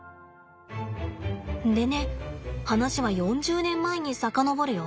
でね話は４０年前に遡るよ。